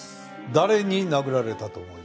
誰に殴られたと思いますか？